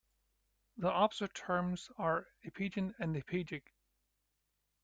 The opposite terms are epigean and epigeic.